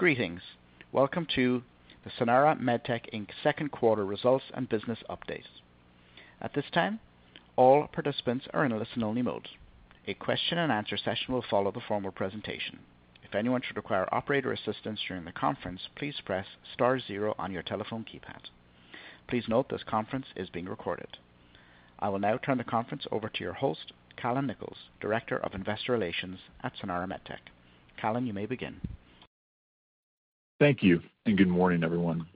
Greetings. Welcome to the Sanara MedTech Inc's second quarter results and business updates. At this time, all participants are in a listen-only mode. A question-and-answer session will follow the formal presentation. If anyone should require operator assistance during the conference, please press star zero on your telephone keypad. Please note, this conference is being recorded. I will now turn the conference over to your host, Callon Nichols, Director of Investor Relations at Sanara MedTech. Callon, you may begin. Thank you, and good morning, everyone.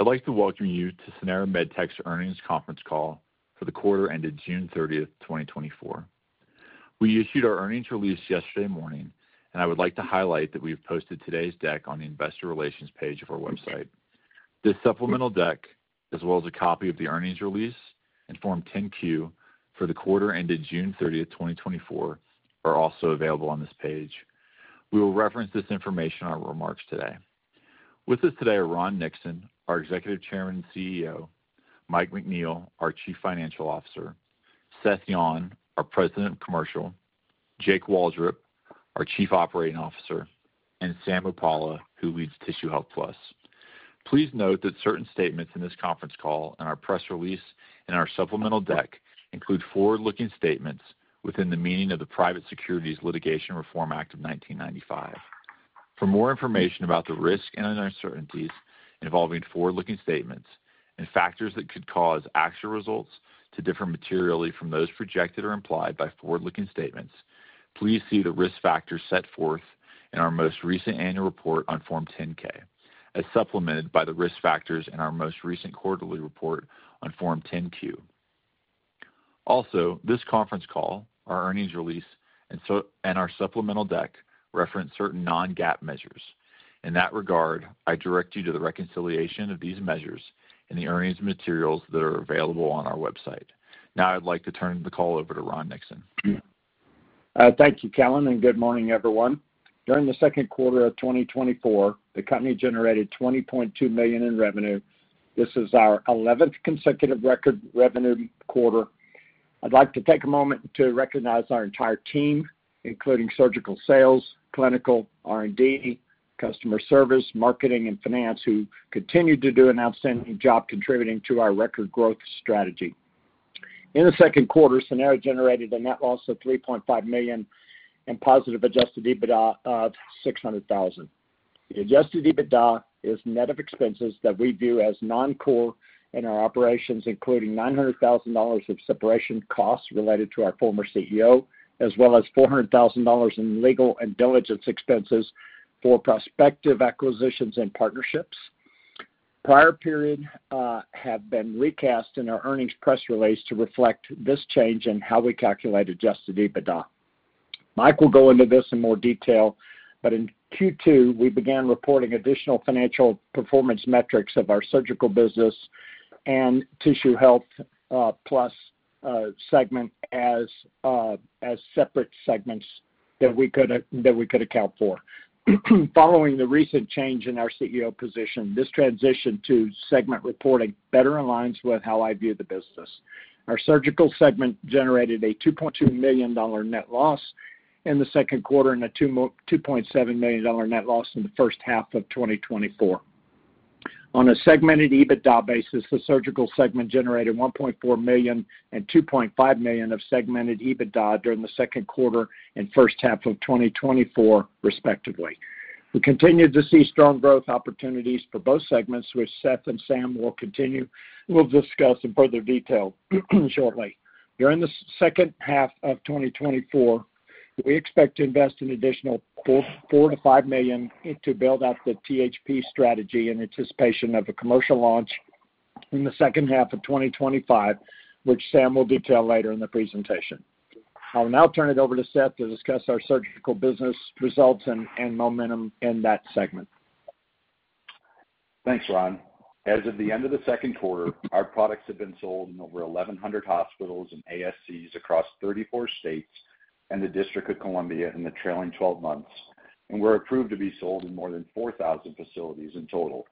I'd like to welcome you to Sanara MedTech's earnings conference call for the quarter ended June 30th, 2024. We issued our earnings release yesterday morning, and I would like to highlight that we have posted today's deck on the investor relations page of our website. This supplemental deck, as well as a copy of the earnings release and Form 10-Q for the quarter ended June 30th, 2024, are also available on this page. We will reference this information in our remarks today. With us today are Ron Nixon, our Executive Chairman and CEO, Mike McNeil, our Chief Financial Officer, Seth Yon, our President of Commercial, Jake Waldrop, our Chief Operating Officer, and Sam Muppalla, who leads Tissue Health Plus. Please note that certain statements in this conference call and our press release and our supplemental deck include forward-looking statements within the meaning of the Private Securities Litigation Reform Act of 1995. For more information about the risks and uncertainties involving forward-looking statements and factors that could cause actual results to differ materially from those projected or implied by forward-looking statements, please see the risk factors set forth in our most recent annual report on Form 10-K, as supplemented by the risk factors in our most recent quarterly report on Form 10-Q. Also, this conference call, our earnings release, and our supplemental deck reference certain non-GAAP measures. In that regard, I direct you to the reconciliation of these measures in the earnings materials that are available on our website. Now I'd like to turn the call over to Ron Nixon. Thank you, Callon, and good morning, everyone. During the second quarter of 2024, the company generated $20.2 million in revenue. This is our 11th consecutive record revenue quarter. I'd like to take a moment to recognize our entire team, including surgical sales, clinical, R&D, customer service, marketing, and finance, who continued to do an outstanding job contributing to our record growth strategy. In the second quarter, Sanara generated a net loss of $3.5 million and positive Adjusted EBITDA of $600,000. The Adjusted EBITDA is net of expenses that we view as noncore in our operations, including $900,000 of separation costs related to our former CEO, as well as $400,000 in legal and diligence expenses for prospective acquisitions and partnerships. Prior period have been recast in our earnings press release to reflect this change in how we calculate Adjusted EBITDA. Mike will go into this in more detail, but in Q2, we began reporting additional financial performance metrics of our surgical business and Tissue Health Plus segment as separate segments that we could account for. Following the recent change in our CEO position, this transition to segment reporting better aligns with how I view the business. Our surgical segment generated a $2.2 million net loss in the second quarter and a $2.7 million net loss in the first half of 2024. On a segmented EBITDA basis, the surgical segment generated $1.4 million and $2.5 million of segmented EBITDA during the second quarter and first half of 2024, respectively. We continue to see strong growth opportunities for both segments, which Seth and Sam will discuss in further detail shortly. During the second half of 2024, we expect to invest an additional $4 million-$5 million to build out the THP strategy in anticipation of a commercial launch in the second half of 2025, which Sam will detail later in the presentation. I will now turn it over to Seth to discuss our surgical business results and momentum in that segment. Thanks, Ron. As of the end of the second quarter, our products have been sold in over 1,100 hospitals and ASCs across 34 states and the District of Columbia in the trailing twelve months, and we're approved to be sold in more than 4,000 facilities in total.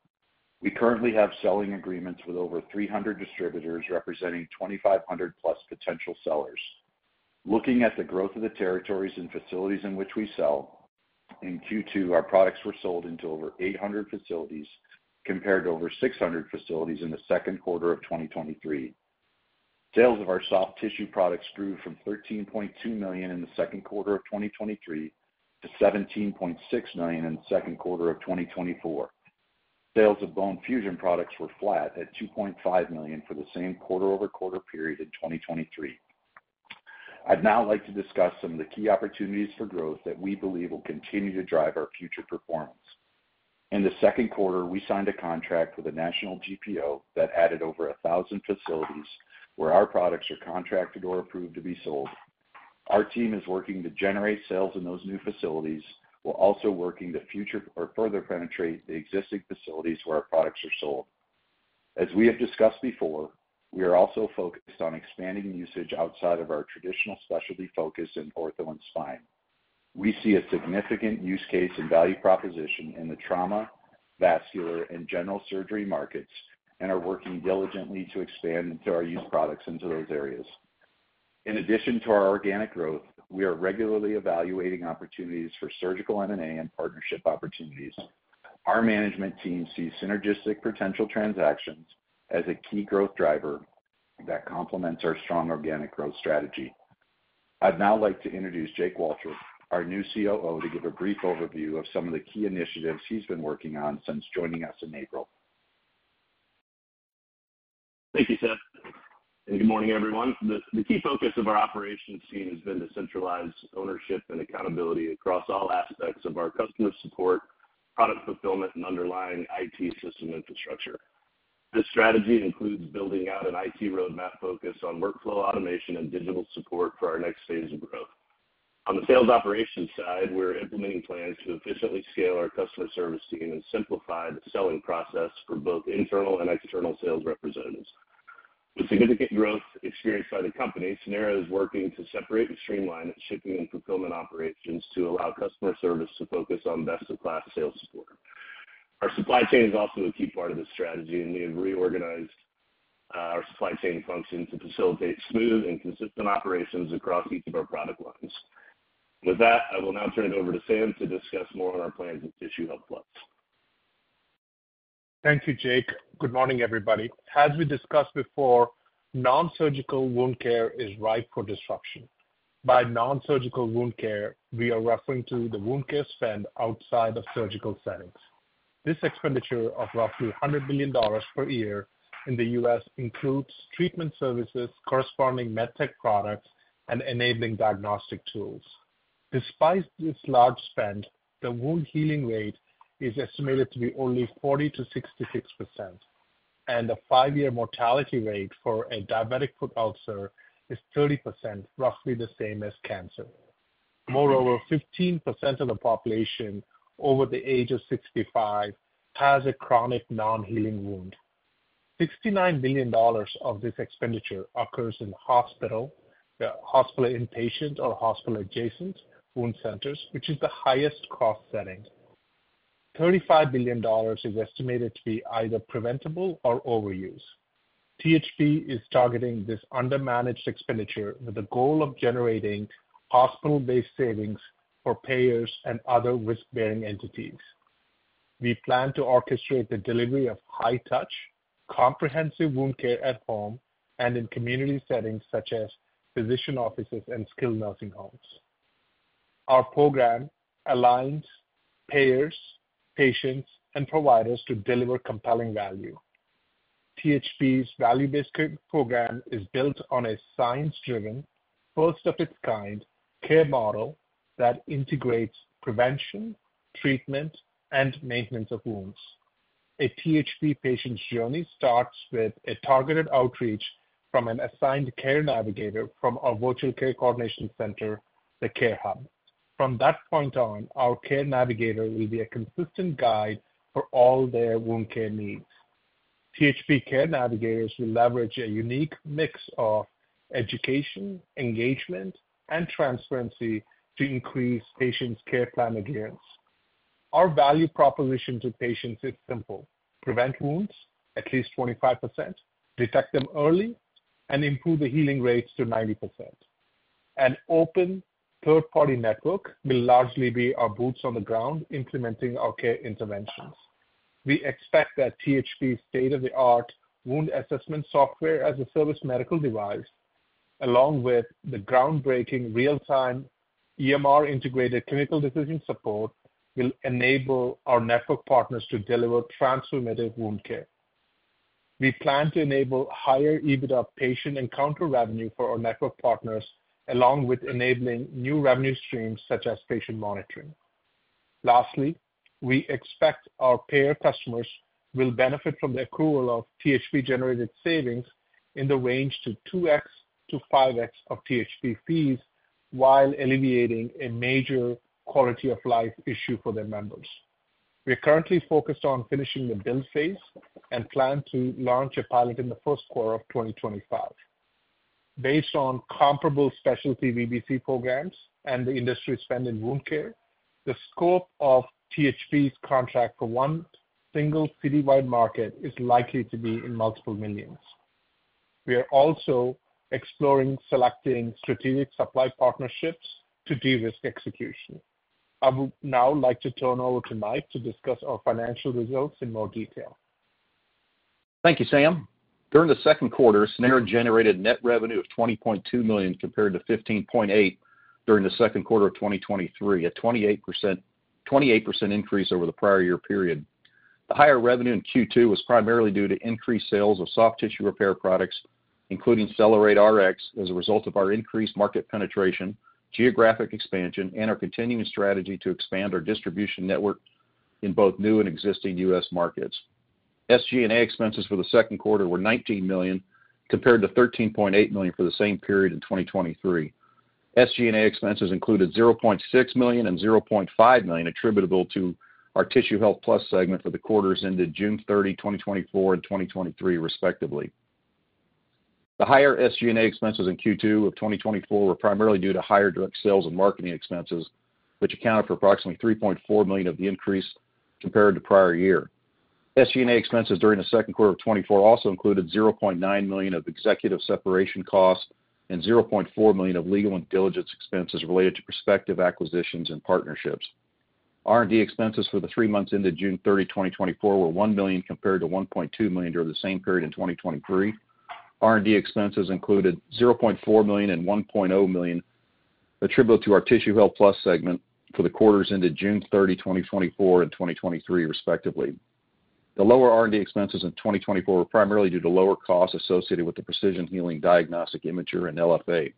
We currently have selling agreements with over 300 distributors, representing 2,500+ potential sellers. Looking at the growth of the territories and facilities in which we sell, in Q2, our products were sold into over 800 facilities, compared to over 600 facilities in the second quarter of 2023. Sales of our soft tissue products grew from $13.2 million in the second quarter of 2023 to 17.6 million in the second quarter of 2024. Sales of bone fusion products were flat at $2.5 million for the same quarter-over-quarter period in 2023. I'd now like to discuss some of the key opportunities for growth that we believe will continue to drive our future performance. In the second quarter, we signed a contract with a national GPO that added over 1,000 facilities where our products are contracted or approved to be sold. Our team is working to generate sales in those new facilities, while also working to future or further penetrate the existing facilities where our products are sold. As we have discussed before, we are also focused on expanding usage outside of our traditional specialty focus in ortho and spine. We see a significant use case and value proposition in the trauma, vascular, and general surgery markets and are working diligently to expand the use of our products into those areas.... In addition to our organic growth, we are regularly evaluating opportunities for surgical M&A and partnership opportunities. Our management team sees synergistic potential transactions as a key growth driver that complements our strong organic growth strategy. I'd now like to introduce Jake Waldrop, our new COO, to give a brief overview of some of the key initiatives he's been working on since joining us in April. Thank you, Seth, and good morning, everyone. The key focus of our operations team has been to centralize ownership and accountability across all aspects of our customer support, product fulfillment, and underlying IT system infrastructure. This strategy includes building out an IT roadmap focused on workflow automation and digital support for our next phase of growth. On the sales operations side, we're implementing plans to efficiently scale our customer service team and simplify the selling process for both internal and external sales representatives. With significant growth experienced by the company, Sanara is working to separate and streamline its shipping and fulfillment operations to allow customer service to focus on best-in-class sales support. Our supply chain is also a key part of this strategy, and we have reorganized our supply chain function to facilitate smooth and consistent operations across each of our product lines. With that, I will now turn it over to Sam to discuss more on our plans with Tissue Health Plus. Thank you, Jake. Good morning, everybody. As we discussed before, nonsurgical wound care is ripe for disruption. By nonsurgical wound care, we are referring to the wound care spend outside of surgical settings. This expenditure of roughly $100 billion per year in the U.S. includes treatment services, corresponding med tech products, and enabling diagnostic tools. Despite this large spend, the wound healing rate is estimated to be only 40%-66%, and the five-year mortality rate for a diabetic foot ulcer is 30%, roughly the same as cancer. Moreover, 15% of the population over the age of 65 has a chronic non-healing wound. $69 billion of this expenditure occurs in hospital inpatient or hospital adjacent wound centers, which is the highest cost setting. $35 billion is estimated to be either preventable or overuse. THP is targeting this undermanaged expenditure with the goal of generating hospital-based savings for payers and other risk-bearing entities. We plan to orchestrate the delivery of high-touch, comprehensive wound care at home and in community settings, such as physician offices and skilled nursing homes. Our program aligns payers, patients, and providers to deliver compelling value. THP's Value-Based Care program is built on a science-driven, first-of-its-kind care model that integrates prevention, treatment, and maintenance of wounds. A THP patient's journey starts with a targeted outreach from an assigned care navigator from our virtual care coordination center, the Care Hub. From that point on, our care navigator will be a consistent guide for all their wound care needs. THP care navigators will leverage a unique mix of education, engagement, and transparency to increase patients' care plan adherence. Our value proposition to patients is simple: prevent wounds at least 25%, detect them early, and improve the healing rates to 90%. An open third-party network will largely be our boots on the ground, implementing our care interventions. We expect that THP's state-of-the-art wound assessment software-as-a-service medical device, along with the groundbreaking real-time EMR-integrated clinical decision support, will enable our network partners to deliver transformative wound care. We plan to enable higher EBITDA patient encounter revenue for our network partners, along with enabling new revenue streams, such as patient monitoring. Lastly, we expect our payer customers will benefit from the accrual of THP-generated savings in the range to 2x-5x of THP fees, while alleviating a major quality of life issue for their members. We are currently focused on finishing the build phase and plan to launch a pilot in the first quarter of 2025. Based on comparable specialty VBC programs and the industry spend in wound care, the scope of THP's contract for one single citywide market is likely to be in multiple millions. We are also exploring selecting strategic supply partnerships to de-risk execution. I would now like to turn over to Mike to discuss our financial results in more detail. Thank you, Sam. During the second quarter, Sanara generated net revenue of $20.2 million, compared to $15.8 million during the second quarter of 2023, a 28%, 28% increase over the prior year period. The higher revenue in Q2 was primarily due to increased sales of soft tissue repair products, including CellerateRX, as a result of our increased market penetration, geographic expansion, and our continuing strategy to expand our distribution network in both new and existing U.S. markets. SG&A expenses for the second quarter were $19 million, compared to $13.8 million for the same period in 2023. SG&A expenses included $0.6 million and $0.5 million attributable to our Tissue Health Plus segment for the quarters ended June 30, 2024 and 2023, respectively. The higher SG&A expenses in Q2 of 2024 were primarily due to higher direct sales and marketing expenses, which accounted for approximately $3.4 million of the increase compared to prior year. SG&A expenses during the second quarter of 2024 also included $0.9 million of executive separation costs and $0.4 million of legal and diligence expenses related to prospective acquisitions and partnerships. R&D expenses for the three months ended June 30, 2024, were $1 million, compared to $1.2 million during the same period in 2023. R&D expenses included $0.4 million and $1.0 million, attributable to our Tissue Health Plus segment for the quarters ended June 30, 2024 and 2023, respectively. The lower R&D expenses in 2024 were primarily due to lower costs associated with the Precision Healing diagnostic imager and LFA.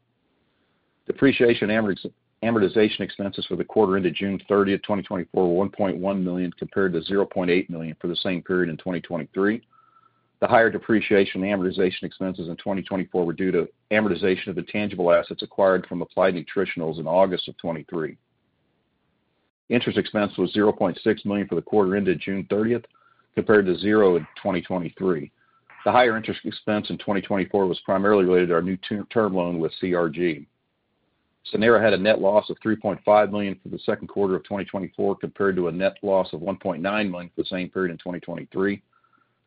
Depreciation and amortization expenses for the quarter ended June thirtieth, 2024, were $1.1 million, compared to $0.8 million for the same period in 2023. The higher depreciation and amortization expenses in 2024 were due to amortization of the tangible assets acquired from Applied Nutritionals in August 2023. Interest expense was $0.6 million for the quarter ended June thirtieth, compared to $0 in 2023. The higher interest expense in 2024 was primarily related to our new term loan with CRG. Sanara had a net loss of $3.5 million for the second quarter of 2024, compared to a net loss of $1.9 million for the same period in 2023.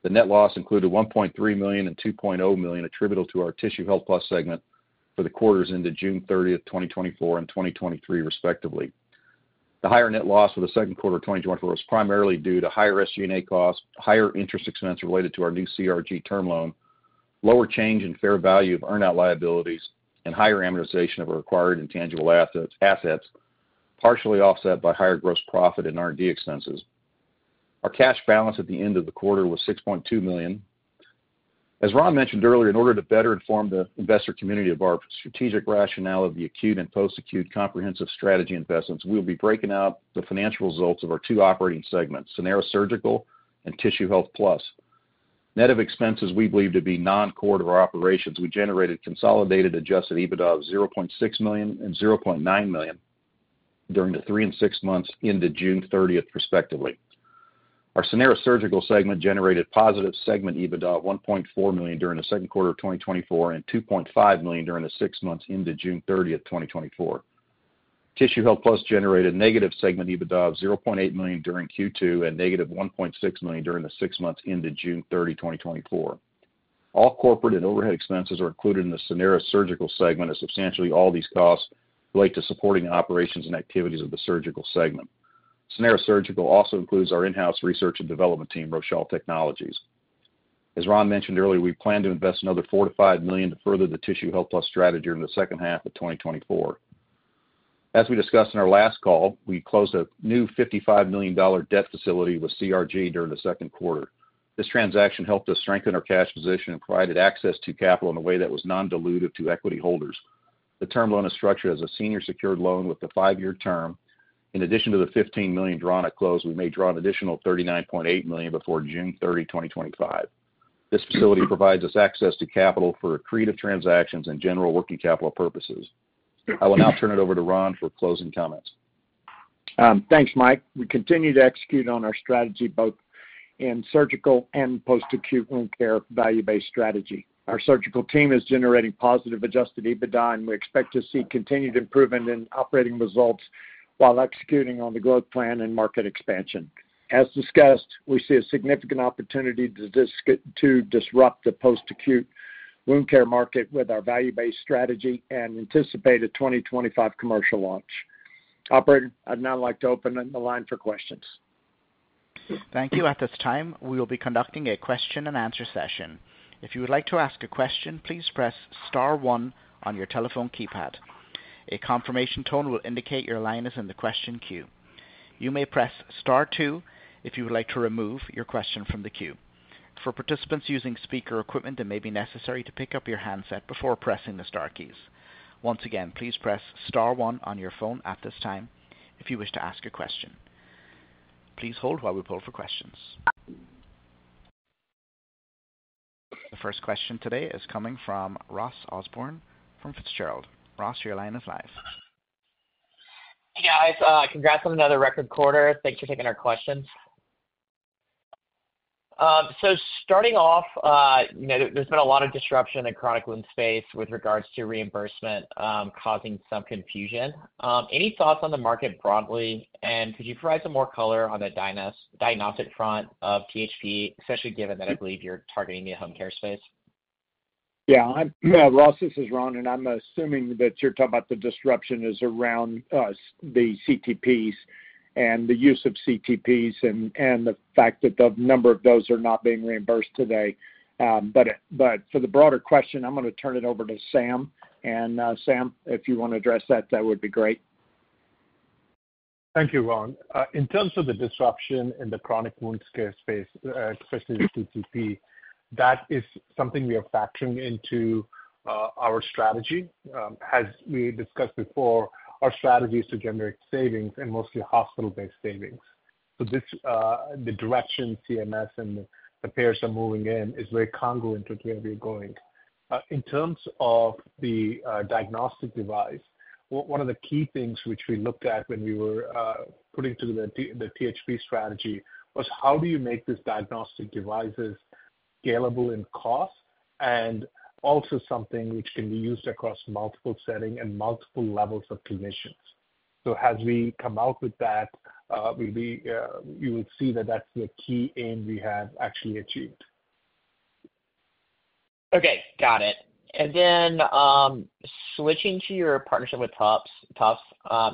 The net loss included $1.3 million and $2.0 million, attributable to our Tissue Health Plus segment for the quarters ended June 30, 2024 and 2023, respectively. The higher net loss for the second quarter of 2024 was primarily due to higher SG&A costs, higher interest expense related to our new CRG term loan, lower change in fair value of earn-out liabilities, and higher amortization of acquired intangible assets, partially offset by higher gross profit and R&D expenses. Our cash balance at the end of the quarter was $6.2 million. As Ron mentioned earlier, in order to better inform the investor community of our strategic rationale of the acute and post-acute comprehensive strategy investments, we'll be breaking out the financial results of our two operating segments, Sanara Surgical and Tissue Health Plus. Net of expenses we believe to be non-core to our operations, we generated consolidated Adjusted EBITDA of $0.6 million and $0.9 million during the three and six months ended June 30, respectively. Our Sanara Surgical segment generated positive segment EBITDA of $1.4 million during the second quarter of 2024, and $2.5 million during the 6 months ended June 30, 2024. Tissue Health Plus generated negative segment EBITDA of $0.8 million during Q2, and negative $1.6 million during the six months ended June 30, 2024. All corporate and overhead expenses are included in the Sanara Surgical segment, as substantially all these costs relate to supporting the operations and activities of the surgical segment. Sanara Surgical also includes our in-house research and development team, Rochal Technologies. As Ron mentioned earlier, we plan to invest another $4 million-$5 million to further the Tissue Health Plus strategy during the second half of 2024. As we discussed in our last call, we closed a new $55 million debt facility with CRG during the second quarter. This transaction helped us strengthen our cash position and provided access to capital in a way that was non-dilutive to equity holders. The term loan is structured as a senior secured loan with a five-year term. In addition to the $15 million drawn at close, we may draw an additional $39.8 million before June 30, 2025. This facility provides us access to capital for accretive transactions and general working capital purposes. I will now turn it over to Ron for closing comments. Thanks, Mike. We continue to execute on our strategy, both in surgical and post-acute wound care value-based strategy. Our surgical team is generating positive Adjusted EBITDA, and we expect to see continued improvement in operating results while executing on the growth plan and market expansion. As discussed, we see a significant opportunity to disrupt the post-acute wound care market with our value-based strategy and anticipate a 2025 commercial launch. Operator, I'd now like to open up the line for questions. Thank you. At this time, we will be conducting a question-and-answer session. If you would like to ask a question, please press star one on your telephone keypad. A confirmation tone will indicate your line is in the question queue. You may press star two if you would like to remove your question from the queue. For participants using speaker equipment, it may be necessary to pick up your handset before pressing the star keys. Once again, please press star one on your phone at this time if you wish to ask a question. Please hold while we pull for questions. The first question today is coming from Ross Osborn from Fitzgerald. Ross, your line is live. Hey, guys, congrats on another record quarter. Thanks for taking our questions. So starting off, you know, there's been a lot of disruption in chronic wound space with regards to reimbursement, causing some confusion. Any thoughts on the market broadly? And could you provide some more color on the diagnostic front of THP, especially given that I believe you're targeting the home care space? Yeah, Ross, this is Ron, and I'm assuming that you're talking about the disruption is around the CTPs and the use of CTPs and the fact that the number of those are not being reimbursed today. But for the broader question, I'm gonna turn it over to Sam. And Sam, if you wanna address that, that would be great. Thank you, Ron. In terms of the disruption in the chronic wound care space, especially the CTP, that is something we are factoring into our strategy. As we discussed before, our strategy is to generate savings and mostly hospital-based savings. So this, the direction CMS and the payers are moving in is very congruent with where we're going. In terms of the diagnostic device, one of the key things which we looked at when we were putting through the THP strategy, was how do you make these diagnostic devices scalable in cost and also something which can be used across multiple setting and multiple levels of clinicians?... as we come out with that, we'll be, you will see that that's the key aim we have actually achieved. Okay, got it. And then, switching to your partnership with Tufts,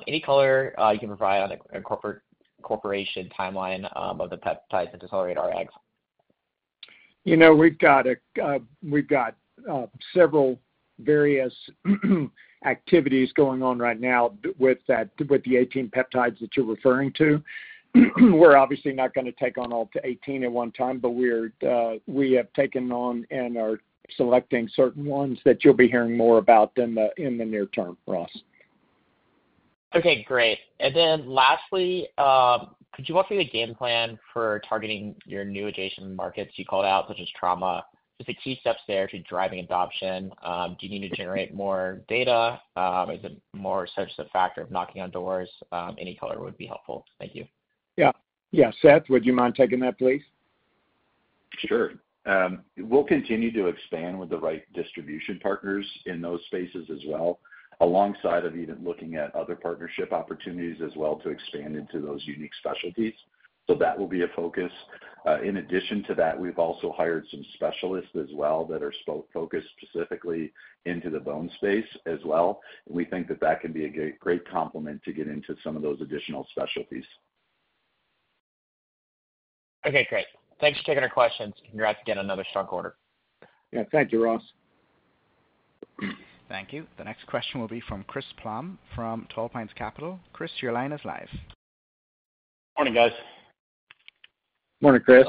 any color you can provide on a corporation timeline of the peptides and CellerateRX? You know, we've got several various activities going on right now with that, with the 18 peptides that you're referring to. We're obviously not gonna take on all 18 at one time, but we're we have taken on and are selecting certain ones that you'll be hearing more about in the near term, Ross. Okay, great. And then lastly, could you walk through the game plan for targeting your new adjacent markets you called out, such as trauma? Just the key steps there to driving adoption. Do you need to generate more data? Is it more such the factor of knocking on doors? Any color would be helpful. Thank you. Yeah. Yeah. Seth, would you mind taking that, please? Sure. We'll continue to expand with the right distribution partners in those spaces as well, alongside of even looking at other partnership opportunities as well to expand into those unique specialties. So that will be a focus. In addition to that, we've also hired some specialists as well that are focused specifically into the bone space as well. We think that that can be a great complement to get into some of those additional specialties. Okay, great. Thanks for taking our questions. Congrats again, another strong quarter. Yeah, thank you, Ross. Thank you. The next question will be from Chris Plahm from Tall Pines Capital. Chris, your line is live. Morning, guys. Morning, Chris.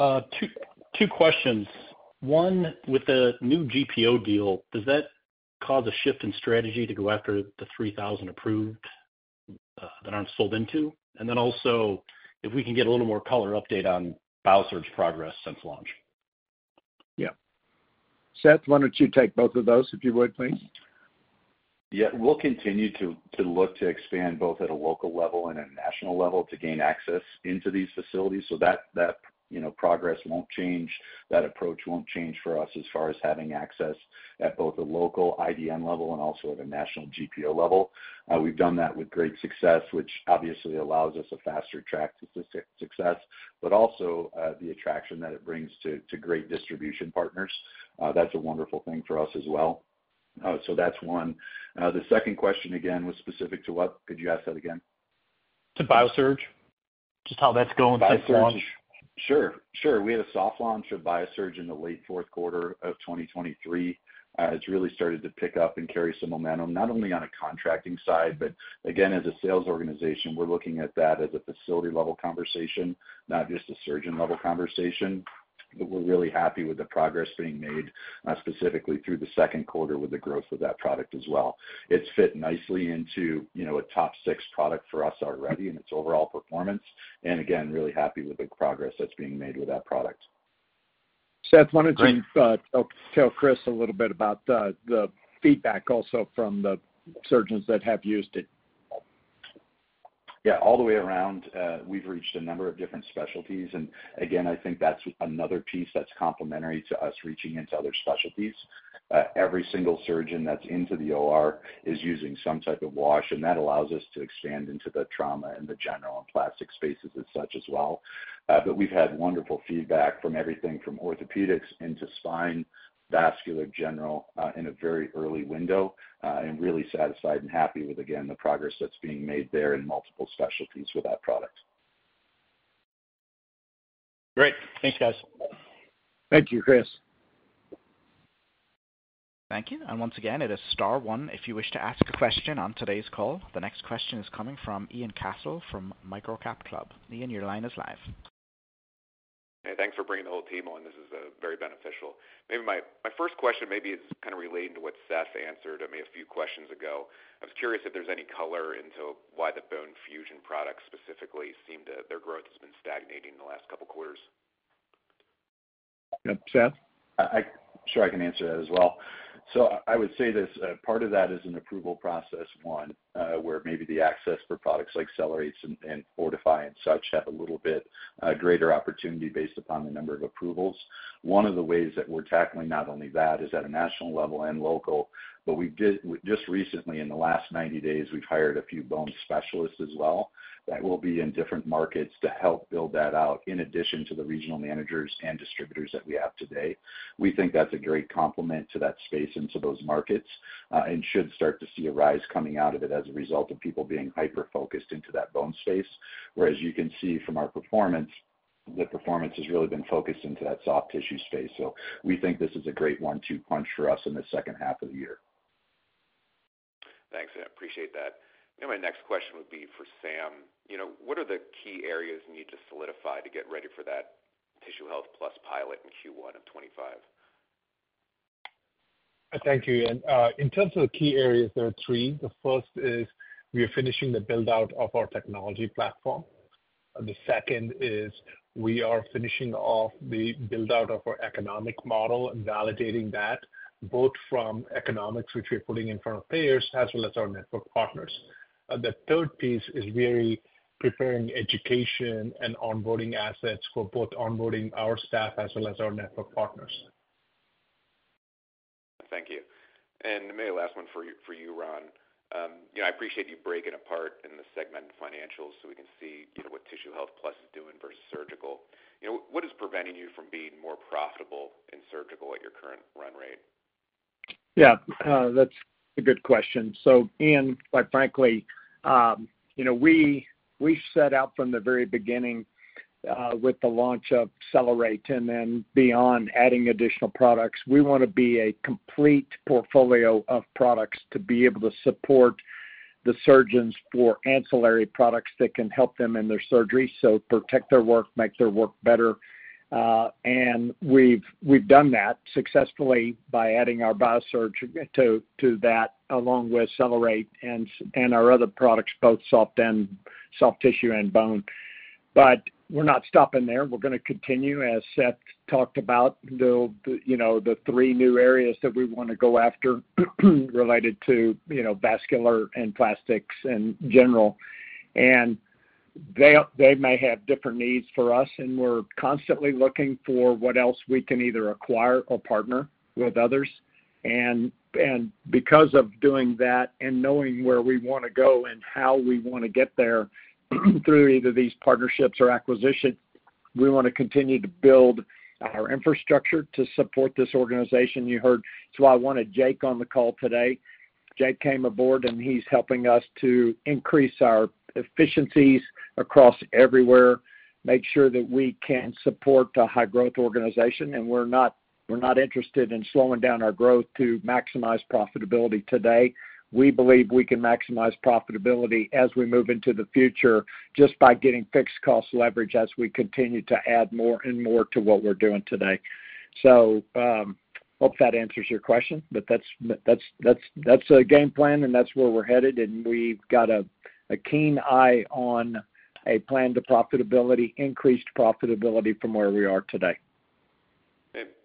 Two questions. One, with the new GPO deal, does that cause a shift in strategy to go after the 3,000 approved that aren't sold into? And then also, if we can get a little more color update on BIASURGE's progress since launch. Yeah. Seth, why don't you take both of those, if you would, please? Yeah, we'll continue to look to expand both at a local level and a national level to gain access into these facilities. So that, you know, progress won't change. That approach won't change for us as far as having access at both a local IDN level and also at a national GPO level. We've done that with great success, which obviously allows us a faster track to success, but also, the attraction that it brings to great distribution partners. That's a wonderful thing for us as well. So that's one. The second question again was specific to what? Could you ask that again? To BIASURGE, just how that's going since launch. BIASURGE. Sure, sure. We had a soft launch of BIASURGE in the late fourth quarter of 2023. It's really started to pick up and carry some momentum, not only on a contracting side, but again, as a sales organization, we're looking at that as a facility-level conversation, not just a surgeon-level conversation. But we're really happy with the progress being made, specifically through the second quarter with the growth of that product as well. It's fit nicely into, you know, a top six product for us already in its overall performance, and again, really happy with the progress that's being made with that product. Seth, why don't you tell Chris a little bit about the feedback also from the surgeons that have used it? Yeah, all the way around, we've reached a number of different specialties, and again, I think that's another piece that's complementary to us reaching into other specialties. Every single surgeon that's into the OR is using some type of wash, and that allows us to expand into the trauma and the general and plastic spaces as such as well. But we've had wonderful feedback from everything from orthopedics into spine, vascular, general, in a very early window, and really satisfied and happy with, again, the progress that's being made there in multiple specialties with that product. Great. Thanks, guys. Thank you, Chris. Thank you. And once again, it is star one if you wish to ask a question on today's call. The next question is coming from Ian Cassel from MicroCapClub. Ian, your line is live. Hey, thanks for bringing the whole team on. This is very beneficial. Maybe my, my first question maybe is kind of relating to what Seth answered, I mean, a few questions ago. I was curious if there's any color into why the bone fusion products specifically seem to their growth has been stagnating in the last couple of quarters. Yeah, Seth? Sure, I can answer that as well. So I would say this, part of that is an approval process, one, where maybe the access for products like CellerateRX and, and FORTIFY and such have a little bit greater opportunity based upon the number of approvals. One of the ways that we're tackling not only that is at a national level and local, but just recently, in the last 90 days, we've hired a few bone specialists as well that will be in different markets to help build that out, in addition to the regional managers and distributors that we have today. We think that's a great complement to that space and to those markets, and should start to see a rise coming out of it as a result of people being hyper-focused into that bone space. Whereas you can see from our performance, the performance has really been focused into that soft tissue space. So we think this is a great one-two punch for us in the second half of the year. Thanks, I appreciate that. My next question would be for Sam. You know, what are the key areas you need to solidify to get ready for that Tissue Health Plus pilot in Q1 of 2025? Thank you, Ian. In terms of the key areas, there are three. The first is we are finishing the build-out of our technology platform. The second is we are finishing off the build-out of our economic model and validating that, both from economics, which we're putting in front of payers, as well as our network partners. The third piece is really preparing education and onboarding assets for both onboarding our staff as well as our network partners.... And maybe last one for you, for you, Ron. You know, I appreciate you breaking apart in the segmented financials, so we can see, you know, what Tissue Health Plus is doing versus Surgical. You know, what is preventing you from being more profitable in Surgical at your current run rate? Yeah, that's a good question. So Ian, quite frankly, you know, we set out from the very beginning with the launch of Cellerate, and then beyond adding additional products. We wanna be a complete portfolio of products to be able to support the surgeons for ancillary products that can help them in their surgery, so protect their work, make their work better. And we've done that successfully by adding our BIASURGE to that, along with Cellerate and our other products, both soft tissue and bone. But we're not stopping there. We're gonna continue, as Seth talked about, you know, the three new areas that we wanna go after, related to, you know, vascular and plastics and general. And they may have different needs for us, and we're constantly looking for what else we can either acquire or partner with others. And because of doing that and knowing where we wanna go and how we wanna get there through either these partnerships or acquisitions, we wanna continue to build our infrastructure to support this organization. You heard; it's why I wanted Jake on the call today. Jake came aboard, and he's helping us to increase our efficiencies across everywhere, make sure that we can support a high-growth organization, and we're not interested in slowing down our growth to maximize profitability today. We believe we can maximize profitability as we move into the future, just by getting fixed cost leverage as we continue to add more and more to what we're doing today. So, hope that answers your question, but that's a game plan, and that's where we're headed, and we've got a keen eye on a plan to profitability, increased profitability from where we are today.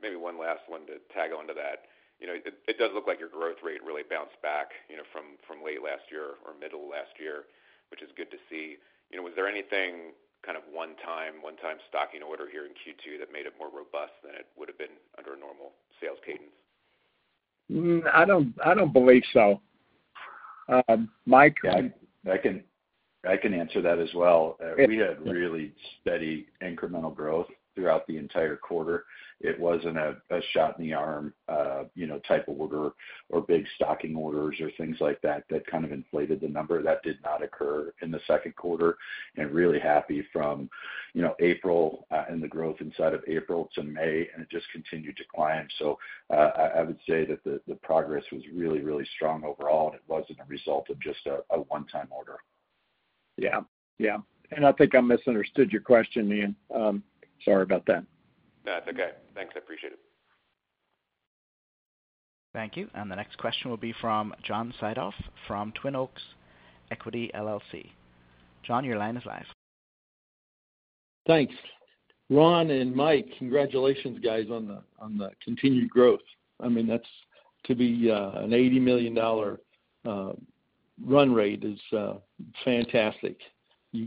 Maybe one last one to tag onto that. You know, it does look like your growth rate really bounced back, you know, from late last year or middle of last year, which is good to see. You know, was there anything kind of one time, one-time stocking order here in Q2 that made it more robust than it would've been under a normal sales cadence? I don't believe so. Mike? I can answer that as well. Yeah. We had really steady incremental growth throughout the entire quarter. It wasn't a shot in the arm, you know, type of order or big stocking orders or things like that, that kind of inflated the number. That did not occur in the second quarter, and really happy from, you know, April, and the growth inside of April to May, and it just continued to climb. So, I would say that the progress was really, really strong overall, and it wasn't a result of just a one-time order. Yeah. Yeah, and I think I misunderstood your question, Ian. Sorry about that. No, that's okay. Thanks, I appreciate it. Thank you. And the next question will be from John Siedhoff, from Twin Oaks Equity LLC. John, your line is live. Thanks. Ron and Mike, congratulations, guys, on the continued growth. I mean, that's to be an $80 million run rate is fantastic. You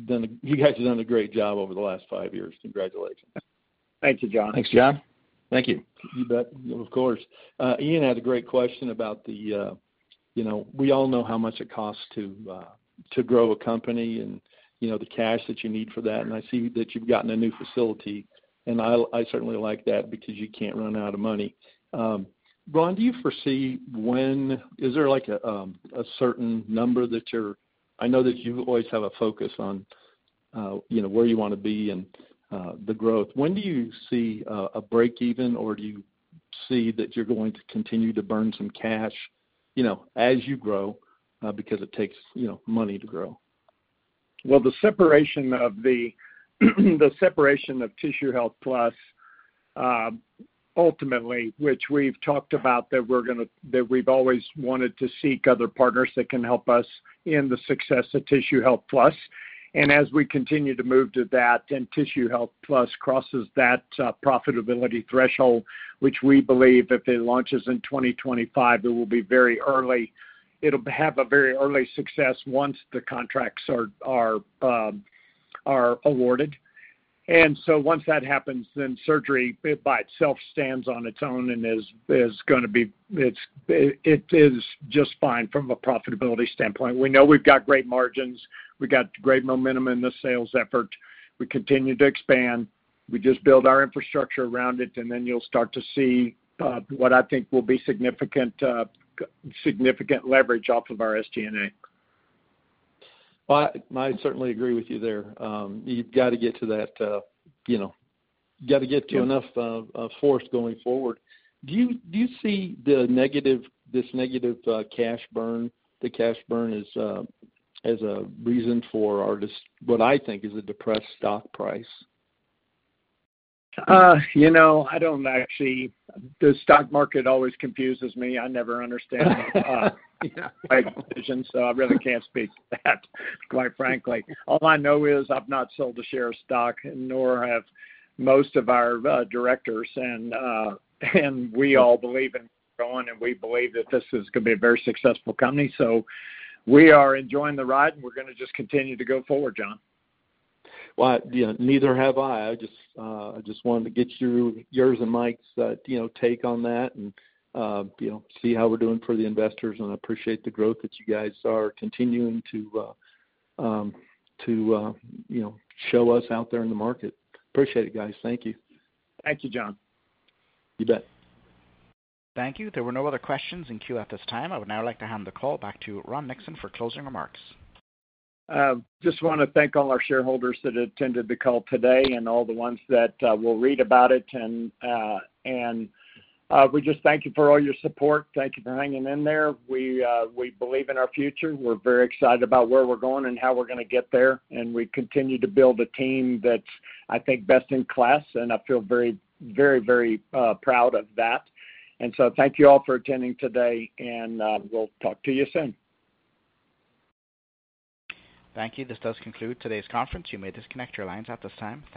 guys have done a great job over the last five years. Congratulations. Thank you, John. Thanks, John. Thank you. You bet, of course. Ian had a great question about the, you know, we all know how much it costs to grow a company and, you know, the cash that you need for that, and I see that you've gotten a new facility, and I certainly like that because you can't run out of money. Ron, do you foresee when... Is there, like, a certain number that you're—I know that you always have a focus on, you know, where you wanna be and the growth. When do you see a break even, or do you see that you're going to continue to burn some cash, you know, as you grow, because it takes, you know, money to grow? Well, the separation of the separation of Tissue Health Plus, ultimately, which we've talked about, that we've always wanted to seek other partners that can help us in the success of Tissue Health Plus. And as we continue to move to that, and Tissue Health Plus crosses that profitability threshold, which we believe if it launches in 2025, it will be very early. It'll have a very early success once the contracts are awarded. And so once that happens, then surgery, by itself, stands on its own and is gonna be... It's it is just fine from a profitability standpoint. We know we've got great margins. We've got great momentum in the sales effort. We continue to expand. We just build our infrastructure around it, and then you'll start to see what I think will be significant, significant leverage off of our SG&A. Well, I certainly agree with you there. You've got to get to that, you know, you've got to get to enough force going forward. Do you see the negative, this negative, cash burn, the cash burn as, as a reason for our dis- what I think is a depressed stock price? You know, I don't actually... The stock market always confuses me. I never understand- Yeah ... decisions, so I really can't speak to that, quite frankly. All I know is I've not sold a share of stock, nor have most of our directors, and we all believe in going, and we believe that this is gonna be a very successful company. So we are enjoying the ride, and we're gonna just continue to go forward, John. Well, you know, neither have I. I just, I just wanted to get your, yours and Mike's, you know, take on that and, you know, see how we're doing for the investors, and I appreciate the growth that you guys are continuing to, to, you know, show us out there in the market. Appreciate it, guys. Thank you. Thank you, John. You bet. Thank you. There were no other questions in queue at this time. I would now like to hand the call back to Ron Nixon for closing remarks. Just wanna thank all our shareholders that attended the call today, and all the ones that will read about it, and we just thank you for all your support. Thank you for hanging in there. We believe in our future. We're very excited about where we're going and how we're gonna get there, and we continue to build a team that's, I think, best in class, and I feel very, very, very proud of that. And so thank you all for attending today, and we'll talk to you soon. Thank you. This does conclude today's conference. You may disconnect your lines at this time. Thank you.